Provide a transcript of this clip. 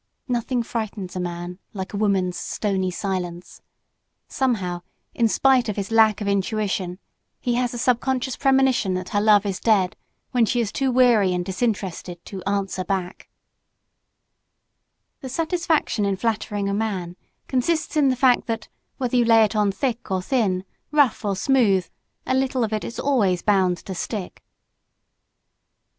Nothing frightens a man like a woman's stony silence. Somehow in spite of his lack of intuition, he has a subconscious premonition that her love is dead when she is too weary and disinterested to "answer back." The satisfaction in flattering a man consists in the fact that, whether you lay it on thick or thin, rough or smooth, a little of it is always bound to stick.